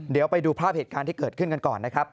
เดี๋ยวไปดูภาพเหตุการณ์ที่เกิดขึ้นกันก่อนนะครับ